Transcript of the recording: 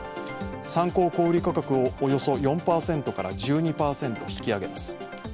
参考小売価格をおよそ４％から１２％引き上げます。